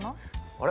あれ？